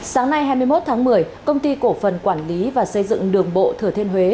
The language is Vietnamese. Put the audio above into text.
sáng nay hai mươi một tháng một mươi công ty cổ phần quản lý và xây dựng đường bộ thừa thiên huế